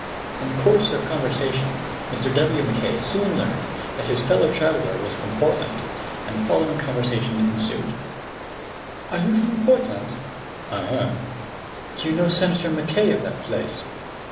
In the course of conversation Mr. W. Mackay soon learned that his fellow traveller was from Portland, and the following conversation ensued: "Are you from Portland?" "I am." "Do you know Senator Mackay, of that place?"